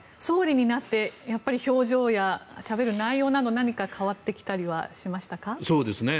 総理になって表情やしゃべる内容など何か変わってきたりはしましたか？